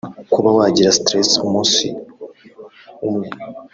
Kuba wagira stress umunsi umwe